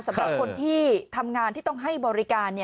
สำหรับคนที่ทำงานที่ต้องให้บริการ